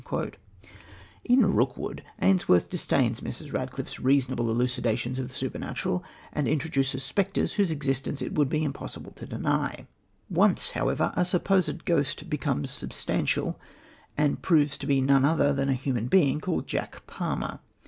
In Rookwood, Ainsworth disdains Mrs. Radcliffe's reasonable elucidations of the supernatural, and introduces spectres whose existence it would be impossible to deny. Once, however, a supposed ghost becomes substantial, and proves to be none other than a human being called Jack Palmer.